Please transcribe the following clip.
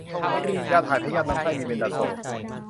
ยาถ่ายพยาธิลำไส้ มีเบนดาโซล